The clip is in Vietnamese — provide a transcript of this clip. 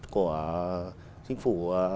của chính phủ